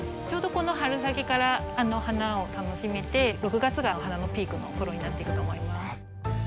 ちょうどこの春先から花を楽しめて６月がお花のピークの頃になっていくと思います。